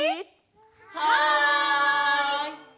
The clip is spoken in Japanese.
はい！